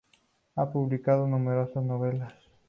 Ha publicado numerosas novelas.